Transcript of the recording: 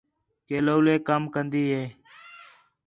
کہ لَولے کَم کندی ہے